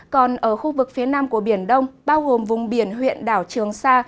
còn ở khu vực phía nam của biển đông bao gồm vùng biển huyện đảo trường sa